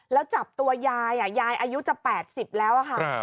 แล้วจับตัวยายยายอายุจะ๘๐แล้วอะค่ะ